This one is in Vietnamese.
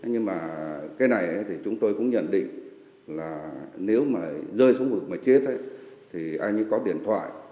nhưng mà cái này thì chúng tôi cũng nhận định là nếu mà rơi xuống vực mà chết ấy thì anh ấy có điện thoại